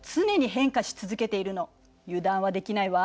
油断はできないわ。